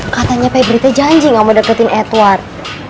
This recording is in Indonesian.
katanya pebriti janji gak mau deketin edward